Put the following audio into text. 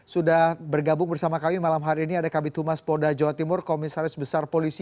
sudah bergabung bersama kami malam hari ini ada kabit humas polda jawa timur komisaris besar polisi